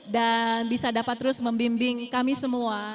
dan bisa dapat terus membimbing kami semua